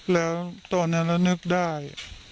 แล้วตอนนั้นเรานึกได้